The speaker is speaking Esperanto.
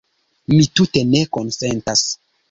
Mi tute ne konsentas.